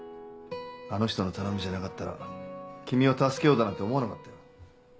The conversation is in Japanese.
あの人の頼みじゃなかったら君を助けようだなんて思わなかったよ。